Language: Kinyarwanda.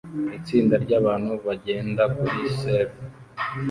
Itsinda ryabantu bagenda kuri serf